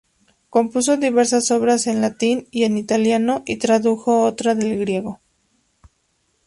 Compuso diversas obras en latín y en italiano, y tradujo otra del griego.